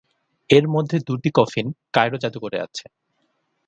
এর মধ্যে দুইটি কফিন কায়রো জাদুঘরে আছে।